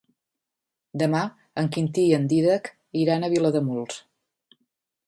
Demà en Quintí i en Dídac iran a Vilademuls.